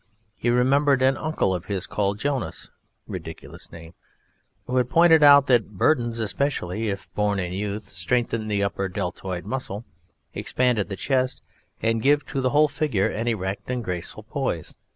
He remembered an uncle of his called Jonas (ridiculous name) who had pointed out that Burdens, especially if borne in youth, strengthen the upper deltoid muscle, expand the chest, and give to the whole figure an erect and graceful poise.